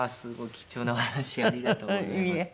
貴重なお話ありがとうございました。